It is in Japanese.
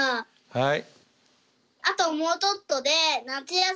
はい。